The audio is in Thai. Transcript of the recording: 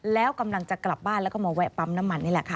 แล้วกำลังจะกลับบ้านแล้วก็มาแวะปั๊มน้ำมันนี่แหละค่ะ